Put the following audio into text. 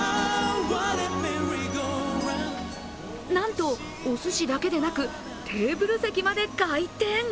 なんと、おすしだけでなくテーブル席まで回転。